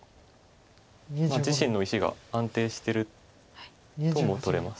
自身の石が安定してるともとれます。